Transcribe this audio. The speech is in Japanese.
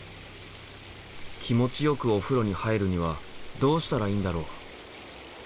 気持ちよくお風呂に入るにはどうしたらいいんだろう？